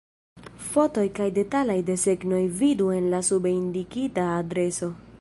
Fotoj kaj detalaj desegnoj vidu en la sube indikita adreso.